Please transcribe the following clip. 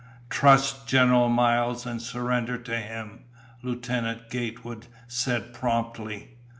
"Trust General Miles and surrender to him," Lieutenant Gatewood said promptly.